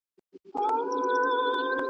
که زده کوونکی تجربه ترلاسه کړي دا تعليم ژوروي.